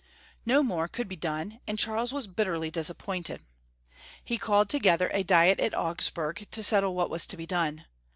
No more could be done, and Charles was bitterly disappointed. He called together a diet at Augs burg to settle what was to be done.